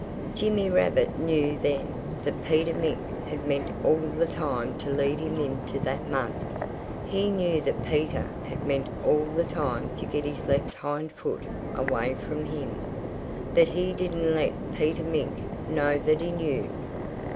Jimmy Rabbit knew then that Peter Mink had meant all the time to lead him into that mud. He knew that Peter had meant all the time to get his left hind foot away from him. But he didn't let Peter Mink know that he knew.